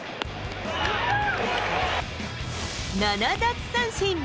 ７奪三振。